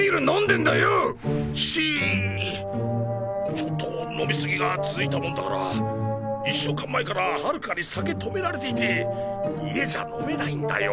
ちょっと飲み過ぎが続いたもんだから１週間前から春夏に酒止められていて家じゃ飲めないんだよ。